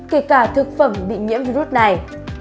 kể cả thực phẩm bị nhiễm virus này